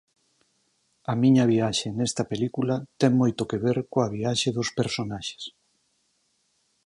A miña viaxe nesta película ten moito que ver coa viaxe dos personaxes.